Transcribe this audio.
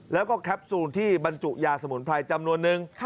แล้วก็แคปซูลที่บรรจุยาสมุนไพรจำนวนนึง